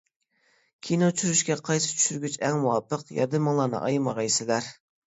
كىنو چۈشۈرۈشكە قايسى چۈشۈرگۈچ ئەڭ مۇۋاپىق، . ياردىمىڭلارنى ئايىمىغايسىلەر!